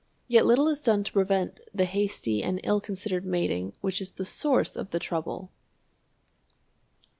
Yet little is done to prevent the hasty and ill considered mating which is at the source of the trouble.